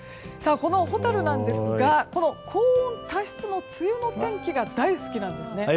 このホタルなんですが高温多湿の梅雨の天気が大好きなんです。